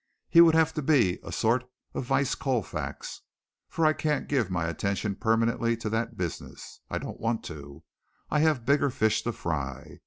He would have to be a sort of vice Colfax, for I can't give my attention permanently to that business. I don't want to. I have bigger fish to fry.